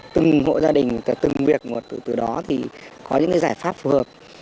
từng hộ gia đình từ từng việc một từ từ đó thì có những giải pháp phù hợp